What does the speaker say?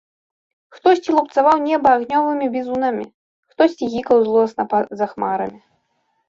Хтосьці лупцаваў неба агнёвымі бізунамі, хтосьці гікаў злосна па-за хмарамі.